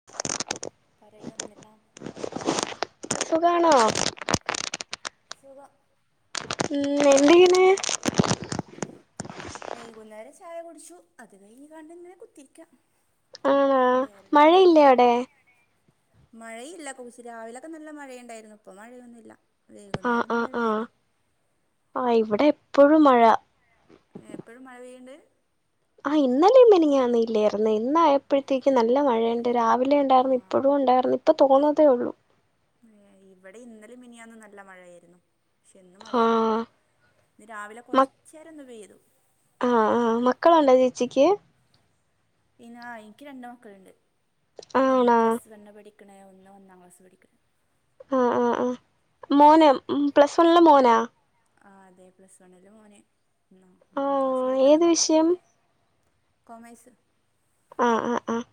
[inaudible] പറയൂ എന്തെല്ലാം സുഖാണോ സുഖം ഉം എന്തേയ്യ്ണ് എന്തൊക്കെയാ വൈകുന്നേരം ചായ കുടിച്ചു അത് കഴിഞ്ഞ്ങ്ങാണ്ട് ങ്ങനെ കുത്തിരിക്കാ ആഹ് മഴയില്ലേ അവ്ടെ മഴയില്ല കൂർഷ് രാവിലൊക്കെ നല്ല മഴയുണ്ടായിര്ന്നു ഇപ്പ മഴയൊന്നുല്ല ആഹ് വൈകുന്നേരം ആഹ് നല്ല ആഹ് വെയിലാ ആഹ് ഇവിടെ എപ്പഴും മഴ ഏഹ് ഇപ്പഴും മഴ പെയ്യ്ണ്ട് ആഹ് ഇന്നലെയും മിനിഞ്ഞാന്നു ല്ലേർന്നു ഇന്നായപ്പഴ്ത്തേക്കും നല്ല മഴേൺ രാവിലെ ആ ണ്ടാര്ന്നു ഇപ്പഴുണ്ടാര്ന്നു ഇപ്പ തോർന്നതേ ഉള്ളൂ ഏഹ് ഇവടെ ഇന്നലിം മിനിയാന്നും നല്ല മഴയാര്ന്നു ക്ഷെ ഇന്ന് മഴയില്ല ആഹ് ഇന്ന് രാവിലെ മ കൊർച്ചേരൊന്ന് വെയ്ലു ആഹ് ആഹ് മക്കളണ്ടോ ചേച്ചിക്ക് ഇങ്ങാ ഇൻക്ക് രണ്ടാംക്കൾണ്ട് ഒന്ന് ആണോ പ്ലസ് വണ്ണ്പഠി പിന്നെ ഒന്ന് ഒന്നാം ക്ലാസ് പഠിക്ക്ണേ ആഹ് ആഹ് ആഹ് മോനം പ്ലസ് വണ്ണ് മോനാ ആഹ് അതെ പ്ലസ് വണ്ണിൽ മോന് ഒന്നാ ഒന്നാം ക്ലാസ് ആഹ് പഠിക്ക്ണ ഏത് പെൺകുട്ടി വിഷയം കോമേഴ്സ് ആഹ് ആഹ് ആഹ്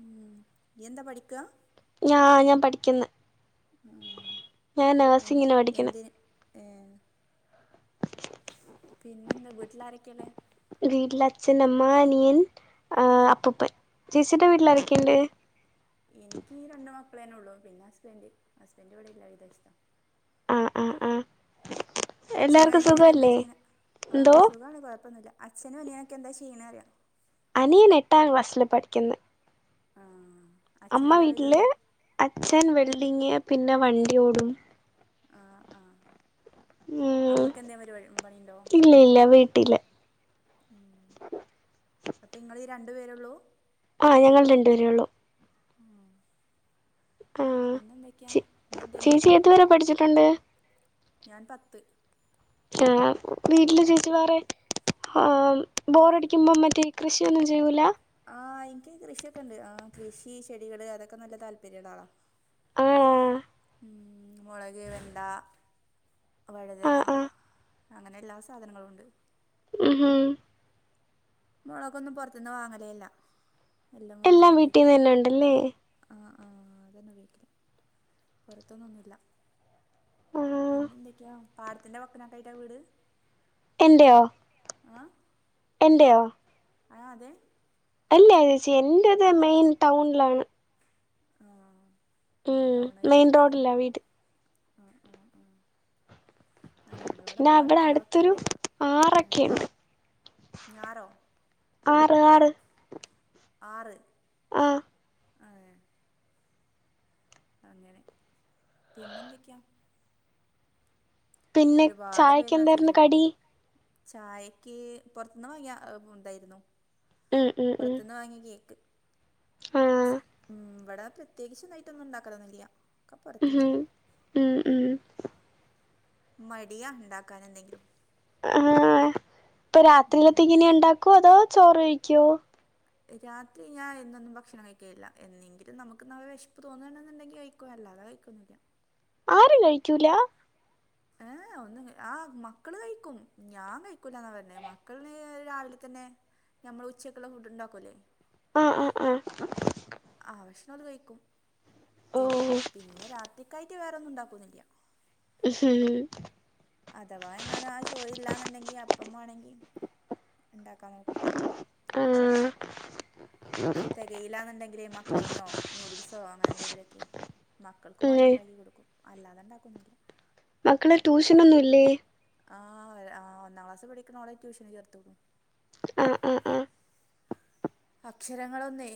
ഉം ഇയ്യെന്താ പഠിക്കാ ഞാ ഞാപഠിക്യന്ന് ഉം ഞാൻ നേഴ് നേസിങ്ങിന് പഠിക്യുന്നേ ഏഹ് പിന്നെന്താ വീട്ടില് ആരൊക്കെള്ളഅ് വീട്ടിൽ അച്ഛൻ അമ്മ അനിയൻ ആ അപ്പുപ്പൻ ചേച്ചീടെ വീട്ടിലാരൊക്കെണ്ട് എനിക്ക് ഈ രണ്ട് മക്കളന്നെ ഉള്ളൂ പിന്നെ അസ്ബൻ്റ് അസ്ബൻ്റ് ഇവിടെയില്ല വിദേഷ്ത്താ ആ ആ ആ അച്ഛനു എല്ലാർക്കും അനിയനൊക്കെ എന്താ സുഖല്ലേ ചെയ്യ് ണ് എന്തോ ആഹ് സുഖാണ് കൊഴപ്പൊന്നുല്ല അച്ഛനും അനിയനൊക്കെ എന്താ ചെയ്യ്ണേറിയാ അനിയൻ എട്ടാം ക്ലാസ്സില് പഠിക്യുന്ന് ആഹ് അമ്മ വീട്ട്ല് അച്ഛൻ വെൽഡിങ് പിന്നെ വണ്ടി ഓടും ആഹ് ആഹ് ഉം അമ്മക്കെന്തേ പരിപാടി ഉം പണിണ്ടോ ഇല്ല ഇല്ല വീട്ടില് ഉം അപ്പങ്ങളീ രണ്ട്പേരൊള്ളൂ ആഹ് ഞങ്ങൾ രണ്ടു പേരേ ഉള്ളൂ ഉം പിന്നെ എന്തൊക്കെയാ ചി ഇന്നെന്തേനി ചേച്ചി ഏതുവരെ പഠിച്ചിട്ടുണ്ട് ഞാൻ പത്ത് ആ വീട്ടില് ചേച്ചി വേറെ ഹാം ബോറടിക്കുമ്പം മറ്റേ കൃഷിയൊന്നും ചെയ്യൂല ആഹ് ൻക്ക്കൃഷിയൊക്കെണ്ട് ആഹ് കൃഷി ചെടികള് അതൊക്കെ നല്ല താല്പര്യള്ള ആളാ ആഹ് ഉം മെളക് വെണ്ടാ ആ വഴുതന ആ അങ്ങനെ എല്ലാ സാധനങ്ങളുണ്ട് അ്ഹും മൊളകൊന്നും പൊർത്ത്ന്ന് വാങ്ങലേ ല്ല എല്ലാം വീട്ടീന്നന്നെണ്ടല്ലേ ആഹ് ആഹ് അതന്നെ ഉപയോഗിക്കല് പൊറത്തുന്നൊന്നുല്ല ആഹ് പിന്നെന്തൊക്കെയാ പാടത്തിന്റെ വക്ക് നൊക്കായിട്ടാ വീട് എന്റെയോ ആഹ് എൻ്റെയോ ആഹ് അതെ അല്ലയാച്ചി എൻ്റത് മെയിൻ ടൗൺലാണ് ആഹ് ഉം ടൗൺ മെയിൻ ഏരിയയില അല്ലേ റോഡിലാ വീട് ആഹ് ആഹ് ആഹ് ആഹ് ഞങ്ങളിവിടെ പിന്നെ അവിടെ പാടത്തിന്റെ അടുത്തൊരു വക്കനക്കായിട്ടാ ഉം ആറൊക്കെയുണ്ട് ഞാറോ ആറ് ആറ് ആറ് ആഹ് അതെ അങ്ങനെ പിന്നെന്തൊക്കെയാ പിന്നെ ഒരുപാട് ചായക്ക് പേര് എന്തായിരുന്നു മെസ്സേജ്ടും കടി ചായക്ക് പൊറത്ത്ന്ന് വാങ്ങിയ ഉണ്ടായിരുന്നു ഉം ഉം ഉം പുറത്തുന്ന് വാങ്ങിയ കേക്ക് ആഹ് സ് ഉം ഉം ഇവിടെ പ്രത്യേകിച്ച് ഇന്ന് ഐറ്റം ഒന്നും ഉണ്ടാക്കലൊന്നില്ല്യ ഉം ഉം മടിയ ഉണ്ടാക്കാന് എന്തെങ്കിലും ആഹ് ഇപ്പം ഉം. രാത്രിയിലെത്തെക്കിനി ഉണ്ടാക്കോ അതോ ചോറ് കഴിക്കോ രാത്രി ഞാൻ എന്നൊന്നും ഭക്ഷണം കഴിക്ക ഇല്ല എന്നെങ്കിലും നമുക്ക് ന വെഷപ്പ് തോന്നുണ്ന്നുണ്ടെങ്കി കഴി ക്കും അല്ലാതെ കഴിക്കൊന്നുല്ല ആരും കഴിക്കൂല ഏ ഒന്നും ആഹ് മക്കള് കഴിക്കും ഞാൻ കഴിക്കൂലന്നാ പറഞ്ഞെ മക്കള് രാവിലെ തന്നെ ഞമ്മള് ഉച്ചയ്ക്കുള്ള ഫുഡ് ഉണ്ടാക്കൂലേ ആഹ് ആഹ് ആഹ് അത് കയ്ക്കും ഓ പിന്നെ രാത്രിക്കായിട്ട് വേറൊന്നും ഉണ്ടാക്കുന്നില്ല്യ ഉഹും അഥവാ എങ്ങാനും ആ ജോലി ഇല്ലാന്നുണ്ടെങ്കി അപ്പം മാണെങ്കിൽ ഉണ്ടാക്കാൻ നോക്കും ആഹ് അഹ് തെകയിലാന്നുണ്ടെങ്കിലെ മക്രോണിയോ നൂഡിൽസോ അങ്ങനെ എന്തെങ്കിലുമൊക്കെ മക്കൾക്കു വാണ്ടി ഉണ്ടാക്കി കൊടുക്കും അല്ലാതെ ണ്ടാക്കൊന്നില്ല. മക്കള് ട്യൂഷന് ഒന്നുംല്ലേ ആഹ് ആഹ് ഒന്നാം ക്ലാസ് പഠിക്കണോളേ ട്യൂഷന് ചേർത്ത്ണ് ആഹ് ആഹ് ആഹ് അക്ഷരങ്ങളൊന്നേ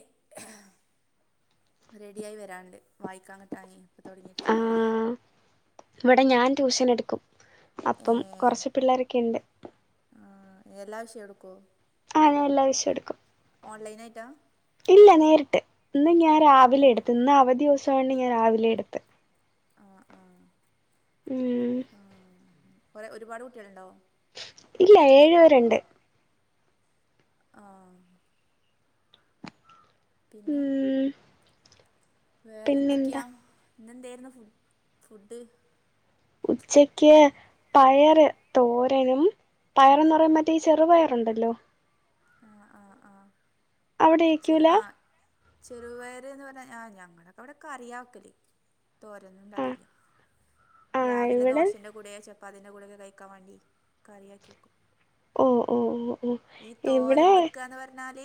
റെഡി ആയി വരാണ്ട് വായിക്കാൻ കിട്ടാന് [unintelligible] ആഹ് ഇവിടെ ഞാൻ ട്യൂഷൻ എടുക്കും അപ്പം കുറച്ച് പിള്ളേരൊക്കെ ഉണ്ട് ആഹ് എല്ലാ വിഷയം എടുക്കോ? ആഹ് ഞാൻ എല്ലാ വിഷയം എടുക്കും ഓൺലൈൻ ആയിട്ടാ ഇല്ല നേരിട്ട് ഇന്ന് ഞാൻ രാവിലെ എടുത്ത് ഇന്ന് അവധി ദിവസം ആയോണ്ട് ഞാൻ രാവിലെ എടുത്ത് ആഹ് ആഹ് ഉം കുറേ ഒരുപാട് കുട്ടികളുണ്ടോ? ഇല്ല ഏഴ് വരെണ്ട് ആഹ് പിന്നെ ഉം വേറെ എന്തൊക്കെയാ പിന്നെന്താ ഇന്നെന്തായിരുന്നു ഫു ഫുഡ് ഉച്ചക്ക് പയറ് തോരനും പയർന്ന് പറയുമ്പ മറ്റേ ഈ ചെറു പയറുണ്ടല്ലോ ആഹ് ആഹ് ആഹ് അവിടെ ചെറു വെക്കൂല ആഹ് ചെറുപയര് എന്ന് പറഞ്ഞ ആഹ് ഞങ്ങളൊക്കെ ഇവിടെ കറിയാ വക്കല് തോരൊന്നും ആഹ് ഉണ്ടാക്കില്ല ആഹ് രാവിലെ ഇവിടെ ദോശന്റെ കൂടെയ ചപ്പാത്തിന്റെ കൂടെക്കെ കഴിക്കാൻ വേണ്ടി കറിയാക്കി വക്കും ഓ ഓ ഓ ഓ തോരം വെക്കാന്ന് പറഞ്ഞാൽ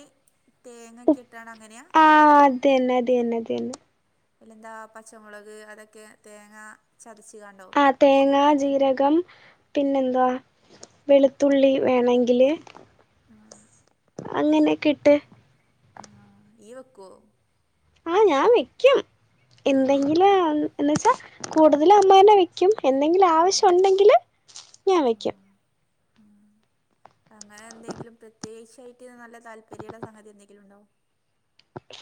തേങ്ങൊക്കെ ഇട്ടാണ് അങ്ങനെയാ ആ അതന്നെ അതന്നെ അതന്നെ അതിലെന്താ പച്ചമുളക് അതൊക്കെ തേങ്ങ ചതച്ച് കാണ്ടോ? ആഹ് തേങ്ങ ജീരകം പിന്നെ എന്തുവാ വെളുത്തുള്ളി വേണെങ്കില് ആഹ് അങ്ങനോക്കെ ഇട്ട് ആഹ് ഇയ്യ് വെക്കോ ആ ഞാൻ വെക്കും ആ എന്തെങ്കിലും ആ എ എന്ന് വെച്ചാ കൂടുതലും അമ്മാനെ വെ യ്ക്കും എന്തെങ്കിലും ഉം ആവശ്യം ഉണ്ടെങ്കിൽ ഞാൻ ഉം വയ്ക്കും ഉം അങ്ങനെ എന്തെങ്കിലും പ്രത്യേകിച്ചായിട്ട് നല്ല താല്പര്യള്ള സംഗതി എന്തെങ്കിലും ഉണ്ടോ?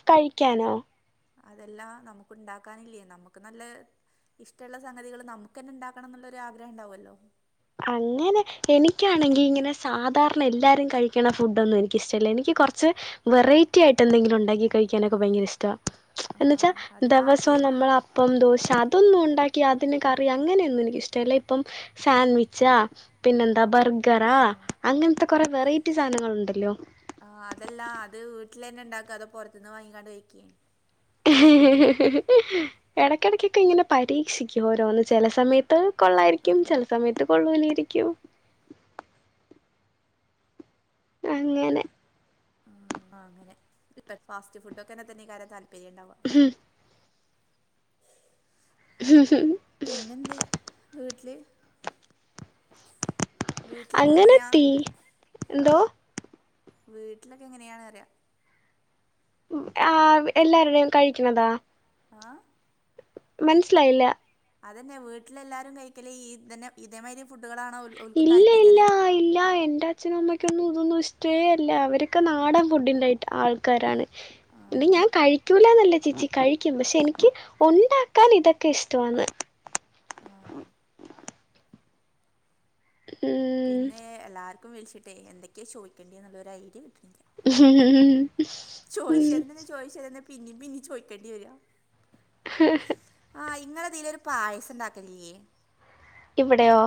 കഴിക്കാനോ അതെല്ലാ നമുക്ക് ഉണ്ടാക്കാനില്ലേ നമുക്ക് നല്ല ഇഷ്ടമുള്ള സംഗതികൾ നമുക്ക് തന്നെ ഉണ്ടാക്കണം എന്നുള്ളൊരു ആഗ്രഹം ഉണ്ടാവുല്ലോ അങ്ങനെ എനിക്കാണെങ്കി ഇങ്ങനെ സാധാരണ എല്ലാരും കഴിക്കണ ഫുഡൊന്നും എനിക്കിഷ്ടല്ല എനിക്ക് കുറച്ച് വെറൈറ്റി ആയിട്ട് എന്തെങ്കിലും ഉണ്ടാക്കി കഴിക്കാനൊക്കെ ഭയങ്കര ഇഷ്ട്ടാ ആ എന്ന വെച്ചാൽ അല്ല ഈ ദിവസം നമ്മൾ പ്പം ദോശ അതൊന്നും ഉണ്ടാക്കി അതിന് കറി അങ്ങനെയൊന്നും എനിക്കിഷ്ടല്ല ഇപ്പം സാൻഡ്വിച്ച് ച്ച പിന്നെന്താ ബർഗറാ ആ അങ്ങനത്തെ കൊറെ വെറൈറ്റി സാധനങ്ങൾ ഉണ്ടല്ലോ ആ അതല്ലാ അത് വീട്ടിലെന്നെ ഇണ്ടാക്കാ അതോ പുറത്തു നിന്ന് വാങ്ങിക്കാണ്ട് കഴിക്കെ ഇടക്കിടക്കൊക്കെ ഇങ്ങനെ പരീക്ഷിക്കും ഓരോന്ന് ചില സമയത്ത് കൊള്ളായിരിക്കും ആഹ് ചില സമയത്ത് കൊള്ളൂലായിരിക്കും അങ്ങനെ ആഹ് അങ്ങനെ ഇപ്പൊ ഫാസ്റ്റ് ഫുഡ് ഒക്കെ തന്നെ ഇക്കാലത്ത് താല്പര്യം ഉണ്ടാവുക ഹും പിന്നെന്ത്‌ വീട്ടില് വീട്ടിലൊക്കെ അങ്ങനെ എങ്ങനെയാ തീ എന്തോ വീട്ടിലൊക്കെ എങ്ങനെയാണ് പറിയ ആഹ് എല്ലാരുടെയും കഴിക്കുന്നതാ ആഹ് മനസ്സിലായില്ല അതന്നെ വീട്ടിലെ എല്ലാരും കഴിക്കലേ ഈ ഇതന്നെ ഇതേമാതിരി ഫുഡുകളാണോ ഒൽക്കും താല്പര്യംന്നെ അച്ഛൻ അമ്മയ്ക്കൊന്നും ഇതൊന്നും ഇഷ്ടേ അല്ല അവരൊക്കെ നാടൻ ഫുഡിന്റെ യിട്ട് ആൾക്കാരാണ് എടി ആഹ് ഞാൻ കഴിക്കൂലന്നല്ല ചീച്ചി കഴിക്കും പക്ഷെ എനിക്ക് ഉണ്ടാക്കാൻ ഇതൊക്കെ ഇഷ്ടമാണ് ആഹ് ഉം പിന്നെ എല്ലാവർക്കും വിളിച്ചിട്ടെ എന്തൊക്കെയ ചോദിക്കണ്ടത് എന്നുള്ളൊരു ഐഡിയ കിട്ടുന്നില്ല ഉം ചോദിച്ചന്നെ ചോദിച്ചന്നെ പിന്നെയ പിന്നെ ചോദിക്കേണ്ടി വര ഹ ഹ്ഹ ആഹ് ഇങ്ങളെ ഇതില് ഒരു പായസം ഉണ്ടാക്കലില്ലേ ഇവിടെയോ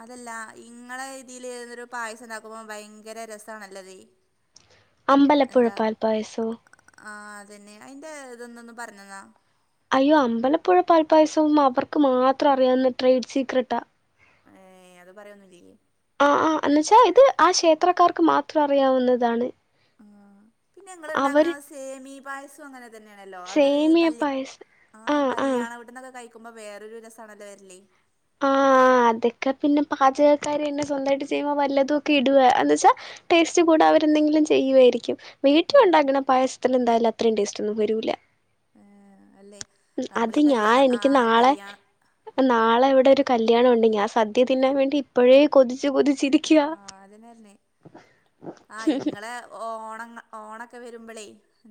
അതല്ല ഇങ്ങളെ ഇതിൽ ഒരു പായസം ഉണ്ടാക്കുമ്പോ ഭയങ്കര രസണല്ലതെ അമ്പലപ്പുഴ പാൽപായസം ആഹ് അതന്നെ അയിന്റെ ഇതൊന്ന് ഒന്ന് പറഞ്ഞന്നാ അയ്യോ അമ്പലപ്പുഴ പൽപ്പായസവും അവർക്ക് മാത്രം അറിയാവുന്ന ട്രേഡ് സീക്രട്ടാ ഏഹ് അത് പറയൊന്നില്ലേ ആഹ് ആഹ് എന്ന് വെച്ചാൽ ഇത് ആ ക്ഷേത്രക്കാർക്ക് മാത്രം അറിയാവുന്നതാണ് ആഹ് പിന്നെ ഞങ്ങൾ ഉണ്ടാക്കുന്ന അവര് സേമി പായസം അങ്ങനെ ഇതന്നെ ആണല്ലോ അത് സേമിയ കല്യ പായസം ആഹ് കല്യാണ വീട്ടീന്ന് ഒക്കെ കഴി ക്കുമ്പോ വേറൊരു രസമാണ്ണല്ല വരല്ലേ ആഹ് അതൊക്കെ പിന്നെ പാചകക്കാരന്നെ സ്വന്തമായിട്ട് ചെയ്യുമ്പോ വല്ലതുമൊക്കെ ഇടുക എന്ന് വെച്ചാ ടേസ്റ്റ് കൂടാൻ അവരെന്തെങ്കിലും ചെയ്യുവായിരിക്കും ആഹ് വീട്ടിലുണ്ടാക്കുന്ന പായസത്തിന് എന്തായാലും അത്രയും ടേസ്റ്റ് ഒന്നും വരൂല്ല ഏഹ് അല്ലേ അത് നമ്മളീ ഞാൻ കല്യാണം എനിക്ക് ആഹ് നാളെ കല്യാണം നാളെ ഇവിടെ ഒരു കല്യാണം ഉണ്ട് ഞാൻ സദ്യ തിന്നാൻ വേണ്ടി ഇപ്പഴേ കൊതിച്ചു കൊതിച്ചി ആഹ് അതിനന്നെ ആഹ് ഇത്ങ്ങളെ ഓണം ഓണൊക്കെ വരുമ്പോളേ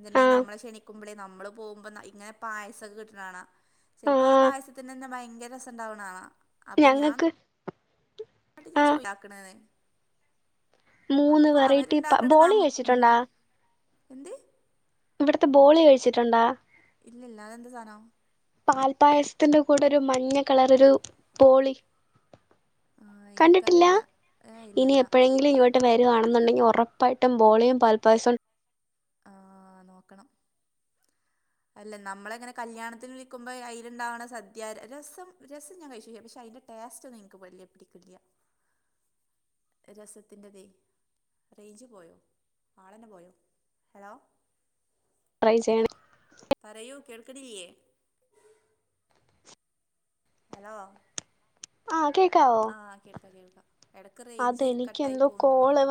പിന്നെ ആഹ് നമ്മളെ ക്ഷണിക്കുമ്പോളേ നമ്മളും പോകുമ്പോ ഇങ്ങനെ പായസം കിട്ടണ കാണാം ചിലപ്പോ ആഹ് പായസത്തെനന്നെ ഭയങ്കര രസണ്ടാവണ ആണ ഞങ്ങൾക്ക് എന്നട്ട് ഞാൻ ചോദി ഇണ്ടാക്കണെന് മൂന്ന് അപ്പൊ വെറൈറ്റി അവരുണ്ടാക്കണം ബോളി നം ഉം കഴിച്ചിട്ടുണ്ടാ എന്തേ ഇവിടത്തെ ബോളി കഴിച്ചിട്ടുണ്ടോ ഇല്ലില്ല അതെന്ത്‌ സാനം പാൽപ്പായസത്തിന്റെ കൂടെ ഒരു മഞ്ഞ കളർ ഒരു ബോളി കണ്ടിട്ടില്ല എനിക്കറിഞ്ഞൂടാ ഏ ഇനി ഇല്ലില്ല എപ്പോഴെങ്കിലും ഇ ങ്ങട്ട് വരുവാണെന്നുണ്ടെങ്കിൽ ഉറപ്പായിട്ടും ബോളിയും പാൽപ്പായസം ആഹ് നോക്കണം അല്ല നമ്മളെങ്ങനെ കല്യാണത്തിന് വിൽക്കുമ്പോൾ അതിലുണ്ടാവണ സദ്യ രസം രസം ഞാൻ കഴിച്ച്ല്ല പക്ഷെ അതിന്റെ ടേസ്റ്റ് നിങ്ങൾക്ക് വല്യ പിടിക്കില്ല അ [unintelligible] രസത്തിന്റതേയ്. റേഞ്ച് പോയോ ആളെന്നെ പോയോ ഹലോ. ട്രൈ ചെയ്യണം. പറയൂ കേൾക്കണില്ലേ. ഹലോ ആ കേക്കാവോ [unintelligible] ആഹ് കേൾക്കാ കേൾക്കാ ഇടക്ക് റേഞ്ച് കട്ടായി പോണ്ന്നോണ്.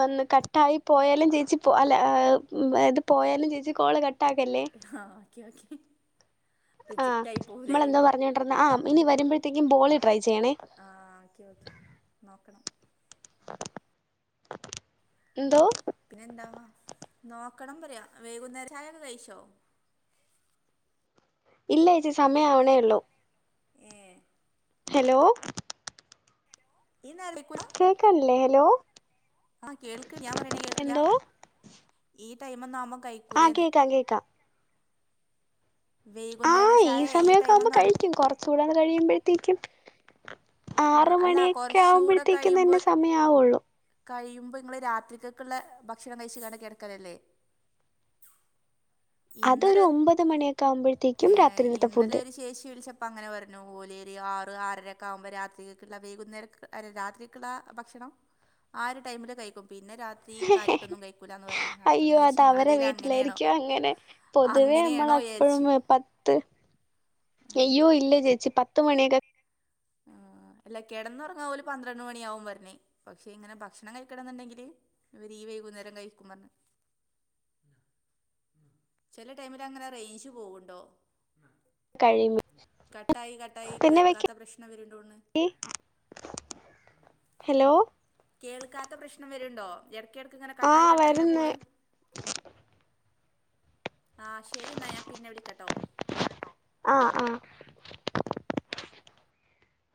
ട്ടായി പോയാലും ചേച്ചി പോ അല്ല ഇത് പോയാലും ചേച്ചി കോള് കട്ടാക്കല്ലേ. ആഹ് ഓക്കെ ഓക്കെ. ആഹ് റിജക്റ്റ് ആയി പോവൂലേ നമ്മളെന്താ പറഞ്ഞുകോണ്ടിരുന്ന ആഹ് ഇനി വരുമ്പോഴത്തേക്കും ബോളി ട്രൈ ചെയ്യണേ. ആഹ് ഓക്കെ ഓക്കെ നോക്കണം. എന്തോ. പിന്നെ എന്താവാ നോക്കണം പറയാ വൈകുന്നേരം ചായൊക്കെ കഴിച്ചോ. ഇല്ല ചേച്ചി സമയം ആവണേ ഉള്ളൂ. ഏഹ് ഹലോ ഇന്നല്ലിക്കുട കേൾണ് ല്ലേ ഹലോ. ആഹ് കേൾക്ണ്ട് ഞാൻ പറയണ കേൾക്കില്ല എന്തോ ഈ ടൈമൊന്നാകുമ്പോ കഴി. ആഹ് കേക്കാം കേക്കാം. വൈകുന്നേര ആഹ് ഈ ചായ സമയമൊക്കെ ആവുമ്പോ ടൈമൊന്നും കഴിക്കും കുറച്ചടെന്ന് കഴിയുമ്പോഴത്തേക്കും. ആ ആറ് അല്ല മണിയൊക്കെ കുറച്ചൂടെ ആവുമ്പോഴത്തേക്കും കഴിയുമ്പോ തന്നെ സമയ ആവുള്ളു. കഴിയുമ്പോ ങ്ങള് രാത്രിക്കക്കുള്ള ഭക്ഷണം കഴിച്ച്ങ്ങാണ്ട് കിടക്കലല്ലേ. അതൊരു ഇന്നലെ ഒമ്പത് മണിയൊക്കെ ആകുമ്പോഴത്തേക്കും ഏ രാത്രിയിലത്തെ ഇന്നലെ ഫുഡ്. ഒരു ചേച്ചി വിളിച്ച. അപ്പ അങ്ങനർഞ്ഞു ഓലിയരി ആറ് ആറരൊക്കെ ആകുമ്പോ രാ വൈകുന്നേരം രാത്രിക്ള്ള ഭക്ഷണം ആഹ് ഒരു ടൈമില് കഴിക്കും പിന്നെ രാ [unintelligible] അയ്യോ വിചാരിച്ച് അതവരെ ഇങ്ങളതീല് അങ്ങനെയാണോ വീട്ടിലായിരിക്കും അങ്ങനെ. പൊതുവേ നമ്മള് അങ്ങനെയാണോ അപ്പഴും വിചാരിച്ച് പത്ത് ആ അയ്യോ ഇല്ലേ ചേച്ചി പത്ത് മണിവരെ. ആഹ് അല്ല കിടന്നന്ന് ഉറങ്ങാ ഓല് പന്ത്രണ്ട് മണിയാവും പറഞ്ഞ് പക്ഷെ ഇങ്ങനെ ഭക്ഷണം കഴിക്കണംന്നുണ്ടെങ്കില്. ഇവര് ഈ വൈകുന്നേരം കഴിക്കും പറഞ്ഞ്. അ ചെല ടൈമില് അങ്ങനെ റേയ്ഞ്ച് പോവ്ണ്ടോ? കഴിയുമ്പോ കട്ടായി കട്ടായി പിന്നെ വെക്ക കേൾക്കാത്ത പ്രശ്നം വരുണ്ടോണ്. ഹലോ കേൾക്കാത്ത പ്രശ്നം വര്ണ്ടോ എട്ക്കെട്ക്ക് ഇങ്ങനെ കട്ടായി ആഹ് കട്ടായി ഇങ്ങനെ വരുന്ന് പോണ്. ആഹ് ശരി ന്നാ ഞാൻ പിന്നെ വിളിക്കട്ടോ. ആഹ് ആഹ്.